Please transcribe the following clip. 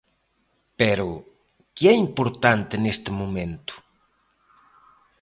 Pero, que é importante neste momento?